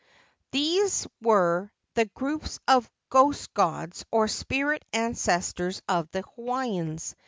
These were the groups of ghost gods or spirit ancestors of the Hawaiians.